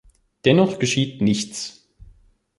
Dennoch geschieht nichts.